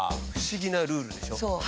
不思議なルールでしょ。